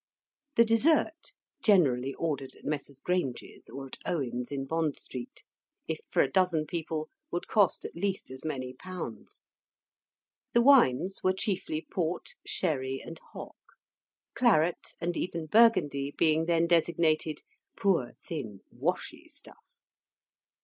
The dessert generally ordered at Messrs. Grange's, or at Owen's, in Bond Street if for a dozen people, would cost at least as many pounds. The wines were chiefly port, sherry, and hock; claret, and even Burgundy, being then designated "poor, thin, washy stuff."